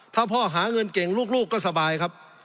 ถ้าพ่อหาเงินเก่งลูกก็สบายครับ